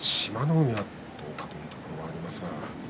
海はどうかというところはありますが。